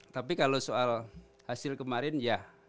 tapi kalau soal hasil kemarin ya